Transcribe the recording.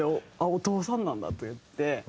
「あっお父さんなんだ」って言って。